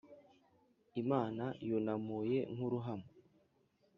imana yunamuye nk’ uruhamo,